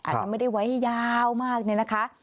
อาจจะไม่ได้ไว้ยาวมากเนี่ยนะคะ